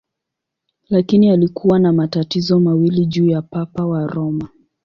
Lakini alikuwa na matatizo mawili juu ya Papa wa Roma.